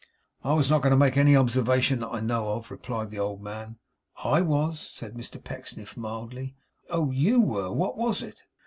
'I was not going to make any observation that I know of,' replied the old man. 'I was,' said Mr Pecksniff, mildly. 'Oh! YOU were? What was it?